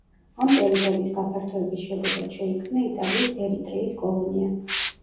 ამ ტერიტორიის გაფართოების შედეგად შეიქმნა იტალიის ერიტრეის კოლონია.